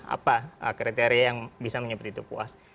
apa kriteria yang bisa menyebut itu puas